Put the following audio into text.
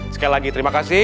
sekali lagi terima kasih